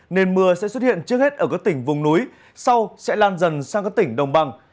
nên mưa sẽ xuất hiện trước hết ở các tỉnh vùng núi sau sẽ lan dần sang các tỉnh đồng bằng